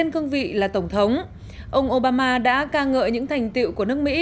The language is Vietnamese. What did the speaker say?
cương vị là tổng thống ông obama đã ca ngợi những thành tiệu của nước mỹ